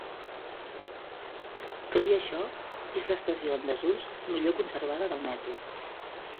Tot i això és l'estació en desús millor conservada del metro.